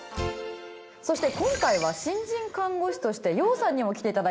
そして今回は新人看護師としてＹＯＨさんにも来て頂いています。